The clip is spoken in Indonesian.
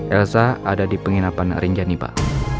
elsa ada di penginapan rinjani pak